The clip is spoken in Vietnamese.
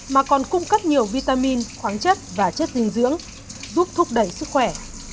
mà còn cung cấp nhiều vitamin khoáng chất và chất dinh dưỡng giúp thúc đẩy sức khỏe